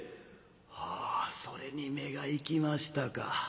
「ああそれに目が行きましたか。